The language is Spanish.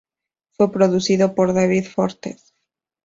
Fue producido por David Foster.